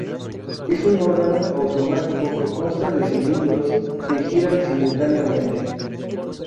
Es un órgano automático que consta de cilindros que giran simultáneamente.